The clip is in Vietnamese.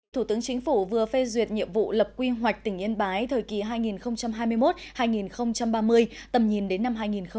thủ tướng chính phủ vừa phê duyệt nhiệm vụ lập quy hoạch tỉnh yên bái thời kỳ hai nghìn hai mươi một hai nghìn ba mươi tầm nhìn đến năm hai nghìn năm mươi